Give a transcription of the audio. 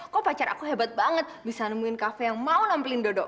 kok pacar aku hebat banget bisa nemuin kafe yang mau nampilin dodok